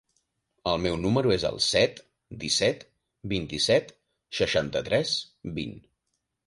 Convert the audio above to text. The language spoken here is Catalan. El meu número es el set, disset, vint-i-set, seixanta-tres, vint.